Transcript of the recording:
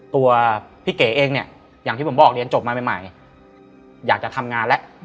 ตัวพี่เก๋เองเนี่ยอย่างที่ผมบอกเรียนจบมาใหม่อยากจะทำงานแล้ว